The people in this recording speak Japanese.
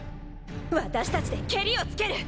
私たちでケリをつける！